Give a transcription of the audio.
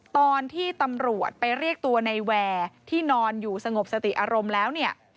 ตอนที่ตำรวจไปเรียกตัวในแวร์ที่นอนอยู่สงบสติอารมณ์แล้วเนี่ย